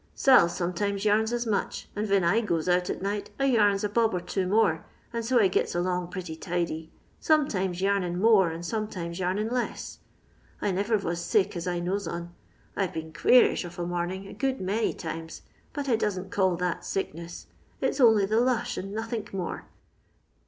Sail sometimes yarns as much, and ven I goes out at night I yams a bob or two more, and so I giu along pretty tidy ; sometimes yarniu more and sometimes yarnin less. I niver vos sick as I knows on; I've been queerish of a morning a good many times, but I doesn't coll that sickness ; it 's only the lush and nothink more.